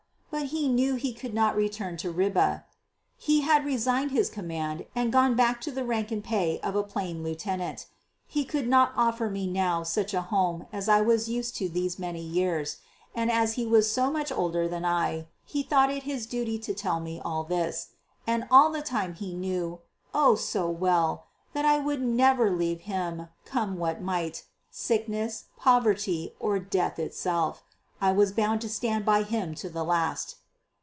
But he knew he could not return to Ribe. He had resigned his command and gone back to the rank and pay of a plain lieutenant. He could not offer me now such a home as I was used to these many years; and as he was so much older than I, he thought it his duty to tell me all this. And all the time he knew, oh, so well! that I would never leave him, come what might, sickness, poverty, or death itself. I was bound to stand by him to the last.